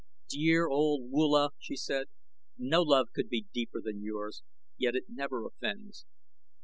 "Dear old Woola," she said; "no love could be deeper than yours, yet it never offends.